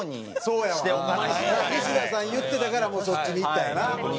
西田さん言ってたからもうそっちにいったんやな。